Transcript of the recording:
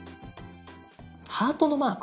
ハートのマーク